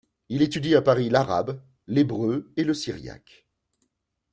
Il étudie à Paris l’arabe, l'hébreu et le syriaque.